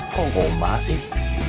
kok gombal sih